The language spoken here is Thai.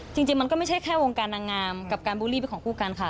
จริงมันก็ไม่ใช่แค่วงการนางงามกับการบูลลี่เป็นของคู่กันค่ะ